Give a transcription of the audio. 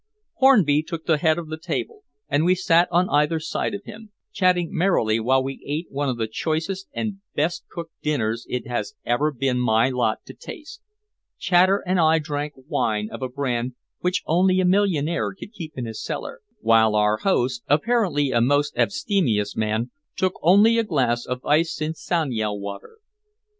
Hornby took the head of the table, and we sat on either side of him, chatting merrily while we ate one of the choicest and best cooked dinners it has ever been my lot to taste. Chater and I drank wine of a brand which only a millionaire could keep in his cellar, while our host, apparently a most abstemious man, took only a glass of iced Cinciano water.